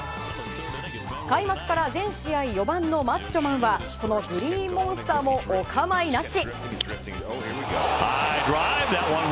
開幕から全試合４番のマッチョマンはそのグリーンモンスターもお構いなし！